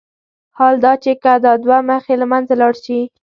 حال دا چې که دا دوه مخي له منځه لاړ شي.